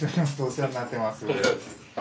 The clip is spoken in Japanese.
お世話になってます。